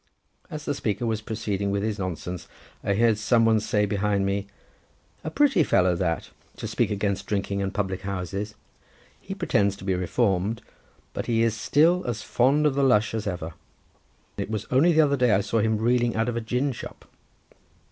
As the speaker was proceeding with his nonsense, I heard some one say behind me—"A pretty fellow, that, to speak against drinking and public houses: he pretends to be reformed, but he is still as fond of the lush as ever. It was only the other day I saw him reeling out of a gin shop."